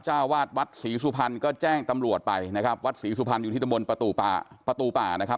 เจ้าวาดวัดศรีสุพรรณก็แจ้งตำรวจไปนะครับวัดศรีสุพรรณอยู่ที่ตะบนประตูป่าประตูป่านะครับ